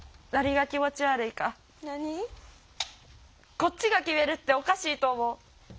こっちが決めるっておかしいと思う。